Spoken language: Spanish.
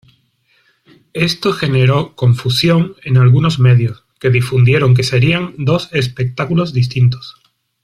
Esto generó confusión en algunos medios que difundieron que serían dos espectáculos distintos.